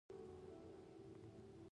دا د ارضي تمامیت او ملي ګټو ساتنه ده.